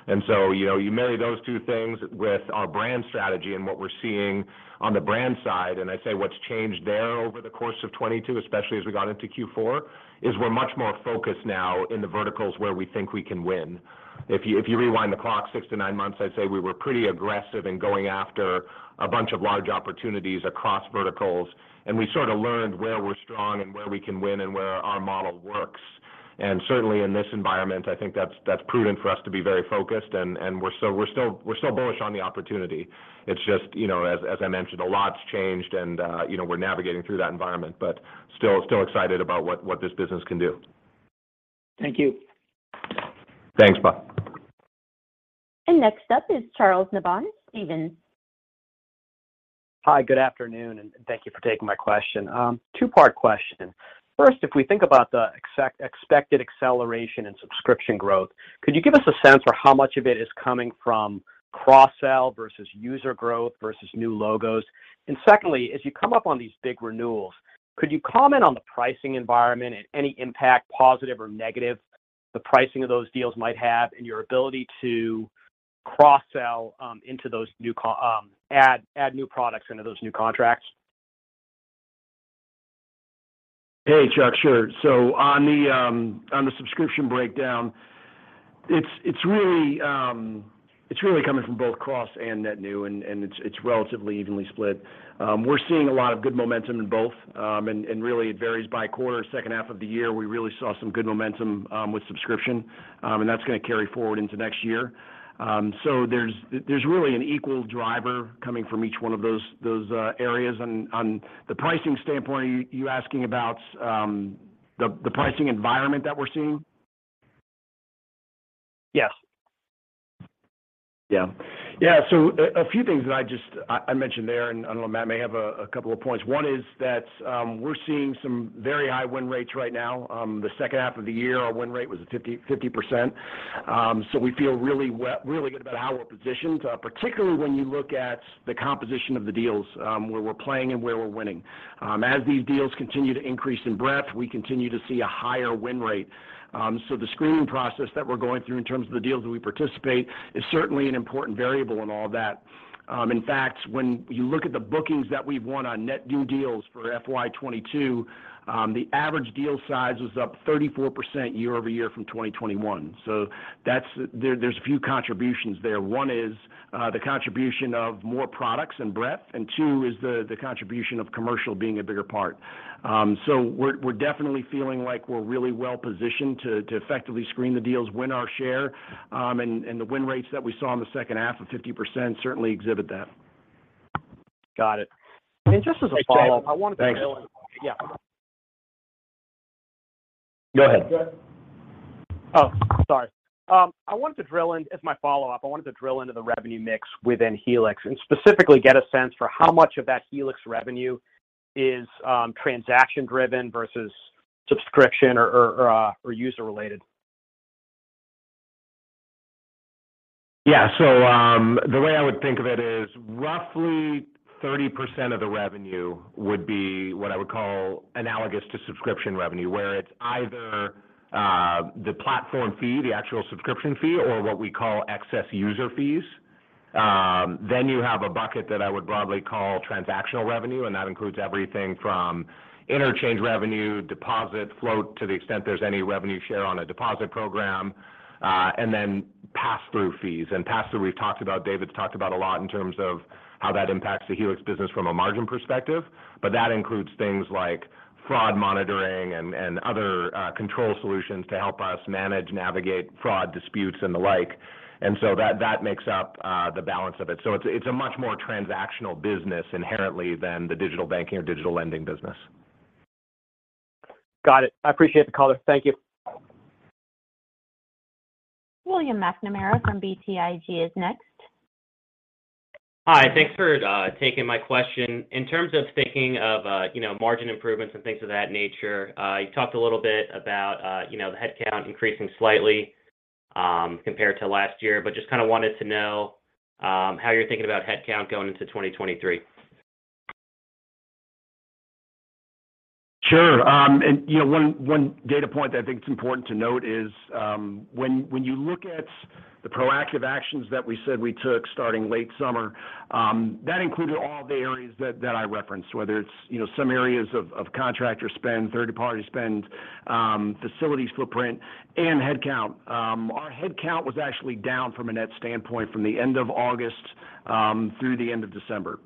You marry those two things with our brand strategy and what we're seeing on the brand side, and I'd say what's changed there over the course of 2022, especially as we got into Q4, is we're much more focused now in the verticals where we think we can win. If you rewind the clock 6-9 months, I'd say we were pretty aggressive in going after a bunch of large opportunities across verticals, and we sort of learned where we're strong and where we can win and where our model works. Certainly in this environment, I think that's prudent for us to be very focused and we're still bullish on the opportunity. Just, as I mentioned, a lot's changed and, we're navigating through that environment, but still excited about what this business can do. Thank you. Thanks, Bob. Next up is Charles Nabhan, Stephens. Hi, good afternoon, and thank you for taking my question. Two-part question. First, if we think about the expected acceleration in subscription growth, could you give us a sense for how much of it is coming from cross-sell versus user growth versus new logos? Secondly, as you come up on these big renewals, could you comment on the pricing environment and any impact, positive or negative, the pricing of those deals might have in your ability to cross-sell into those new contracts, add new products into those new contracts? Hey, Charles, sure. On the subscription breakdown, it's really coming from both cross and net new, and it's relatively evenly split. We're seeing a lot of good momentum in both, and really it varies by quarter. Second half of the year, we really saw some good momentum with subscription, and that's going to carry forward into next year. So there's really an equal driver coming from each one of those areas. On the pricing standpoint, are you asking about the pricing environment that we're seeing? Yes. Yeah. A few things that I mentioned there, and I don't know, Matt may have a couple of points. One is that, we're seeing some very high win rates right now. The second half of the year, our win rate was 50%, so we feel really good about how we're positioned, particularly when you look at the composition of the deals, where we're playing and where we're winning. As these deals continue to increase in breadth, we continue to see a higher win rate. The screening process that we're going through in terms of the deals that we participate is certainly an important variable in all that. In fact, when you look at the bookings that we've won on net new deals for FY22, the average deal size was up 34% year-over-year from 2021. There's a few contributions there. One is the contribution of more products and breadth, and two is the contribution of commercial being a bigger part. We're definitely feeling like we're really well-positioned to effectively screen the deals, win our share, and the win rates that we saw in the second half of 50% certainly exhibit that. Got it. Just as a follow-up. Thanks, Charles. Thanks. I wanted to drill in. Yeah. Go ahead. Oh, sorry. As my follow-up, I wanted to drill into the revenue mix within Helix and specifically get a sense for how much of that Helix revenue is, transaction-driven versus subscription or user-related? Yeah. The way I would think of it is roughly 30% of the revenue would be what I would call analogous to subscription revenue, where it's either the platform fee, the actual subscription fee, or what we call excess user fees. You have a bucket that I would broadly call transactional revenue, and that includes everything from interchange revenue, deposit, float, to the extent there's any revenue share on a deposit program, and then passthrough fees. Passthrough, we've talked about, Brian's talked about a lot in terms of how that impacts the Helix business from a margin perspective, but that includes things like fraud monitoring and other control solutions to help us manage, navigate fraud disputes and the like. That makes up the balance of it. It's a much more transactional business inherently than the digital banking or digital lending business. Got it. I appreciate the color. Thank you. William McNamara from BTIG is next. Hi, thanks for taking my question. In terms of thinking of, margin improvements and things of that nature, you talked a little bit about, the headcount increasing slightly, compared to last year. Just kinda wanted to know, how you're thinking about headcount going into 2023? Sure. one data point that I think it's important to note is, when you look at the proactive actions that we said we took starting late summer, that included all the areas that I referenced, whether it's, some areas of contractor spend, third-party spend, facilities footprint, and headcount. Our headcount was actually down from a net standpoint from the end of August through the end of December.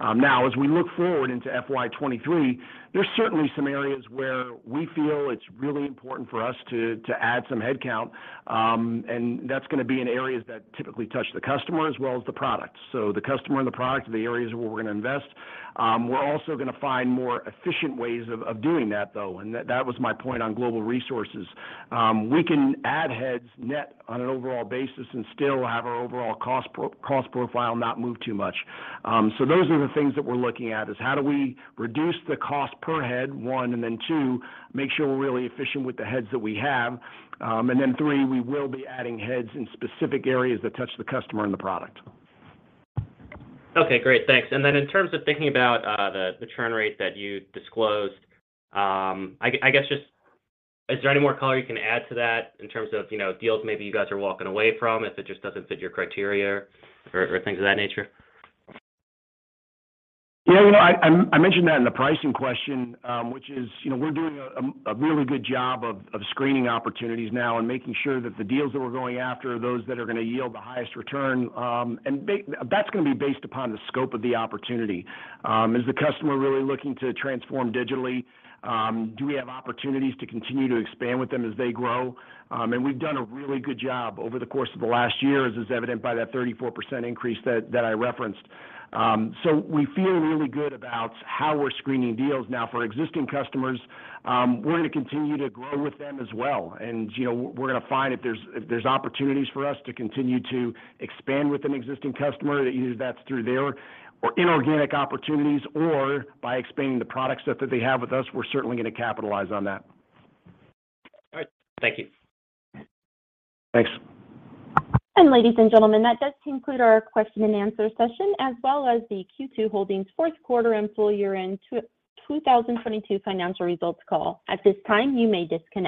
As we look forward into FY23, there's certainly some areas where we feel it's really important for us to add some headcount, and that's going to be in areas that typically touch the customer as well as the product. The customer and the product are the areas where we're going to invest. We're also going to find more efficient ways of doing that, though, and that was my point on global resources. We can add heads net on an overall basis and still have our overall cost profile not move too much. Those are the things that we're looking at is how do we reduce the cost per head, 1. 2, make sure we're really efficient with the heads that we have. 3, we will be adding heads in specific areas that touch the customer and the product. Okay, great. Thanks. Then in terms of thinking about the churn rate that you disclosed, I guess just is there any more color you can add to that in terms of, deals maybe you guys are walking away from if it just doesn't fit your criteria or things of that nature? Yeah, I mentioned that in the pricing question, which is, we're doing a really good job of screening opportunities now and making sure that the deals that we're going after are those that are going to yield the highest return. That's going to be based upon the scope of the opportunity. Is the customer really looking to transform digitally? Do we have opportunities to continue to expand with them as they grow? We've done a really good job over the course of the last year, as is evident by that 34% increase that I referenced. We feel really good about how we're screening deals now. For existing customers, we're going to continue to grow with them as well. we're going to find if there's opportunities for us to continue to expand with an existing customer, either that's through their or inorganic opportunities or by expanding the product set that they have with us, we're certainly going to capitalize on that. All right. Thank you. Thanks. Ladies and gentlemen, that does conclude our question and answer session, as well as the Q2 Holdings Q4 and full year-end 2022 financial results call. At this time, you may disconnect.